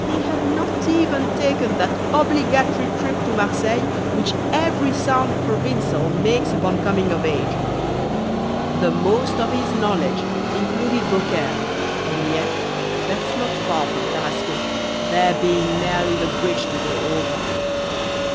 He had not even taken that obligatory trip to Marseilles which every sound Provencal makes upon coming of age. The most of his knowledge included Beaucaire, and yet that's not far from Tarascon, there being merely the bridge to go over.